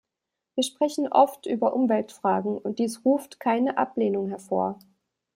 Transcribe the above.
Wir sprechen oft über Umweltfragen, und dies ruft keine Ablehnung hervor.